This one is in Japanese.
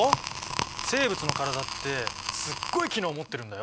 生物の体ってすっごい機能を持ってるんだよ。